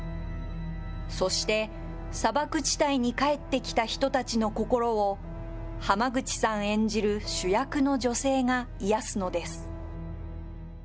そして、砂漠地帯に帰ってきた人たちの心を、ハマグチさん演じる主役の女性が癒やすのです。